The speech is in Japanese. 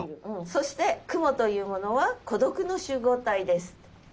そして雲というものは孤独の集合体です。